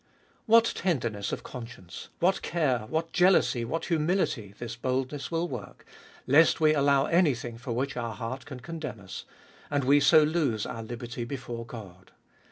3. What tenderness of conscience, what care, what jealousy, what humility, this boldness will work, lest we allow anything for which our heart can condemn us, and we so lose our liberty before Cod.